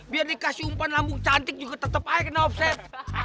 biar dikasih umpan lambung cantik juga tetap air kena offset